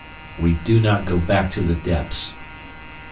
"We do not go back to the depths!"